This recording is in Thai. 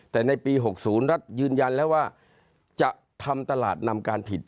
แต่ในปี๖๐รัฐยืนยันแล้วว่าจะทำตลาดนำการผิด